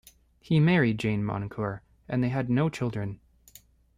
He married Jane Moncure and they had no children.